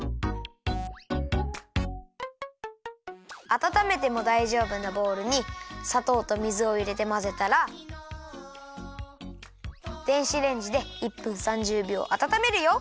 あたためてもだいじょうぶなボウルにさとうと水をいれてまぜたら電子レンジで１分３０びょうあたためるよ。